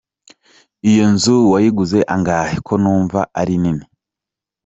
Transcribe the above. Iyo nzu wayiguze angahe ko numva ari nini? .